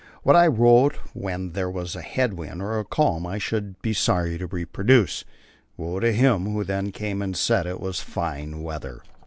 What I wrote when there was a head wind or calm, I should be sorry to reproduce. Woe to him who then came and said it was fine weather.